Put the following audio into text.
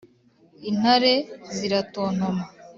intare ziratontoma